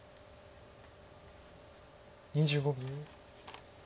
２５秒。